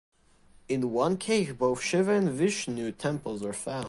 In one cave both Shiva and Vishnu Temples are found.